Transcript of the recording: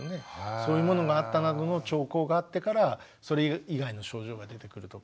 そういうものがあったなどの兆候があってからそれ以外の症状が出てくるとか。